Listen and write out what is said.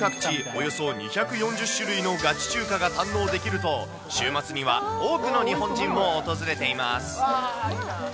およそ２４０種類のガチ中華が堪能できると、週末には多くの日本人も訪れています。